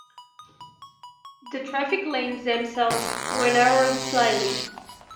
The traffic lanes themselves were narrowed slightly.